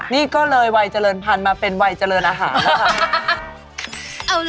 นี่ก็เลยวัยเจริญพันธุ์มาเป็นวัยเจริญอาหารนะคะ